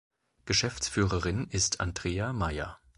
Geschäftsführerin ist Andrea Mayer.